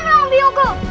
kembalikan bang biungku